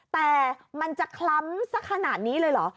แต่มันจะคล้ำสักขนาดนี้เลยเหรอ